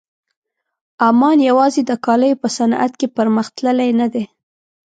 عمان یوازې د کالیو په صنعت کې پرمخ تللی نه دی.